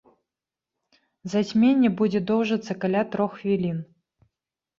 Зацьменне будзе доўжыцца каля трох хвілін.